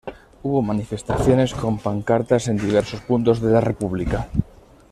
Hubo manifestaciones con pancartas en diversos puntos de la república.